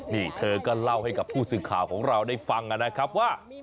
นี่เธอก็เล่าให้กับผู้สื่อข่าวของเราได้ฟังนะครับว่า